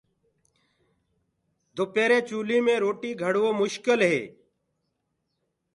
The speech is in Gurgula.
دُپيري چولِي مي روٽي گھڙوو مشڪل هي۔